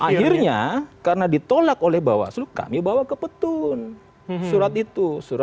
akhirnya karena ditolak oleh bawaslu kami bawa ke petun surat itu